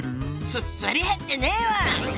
すすり減ってねえわ！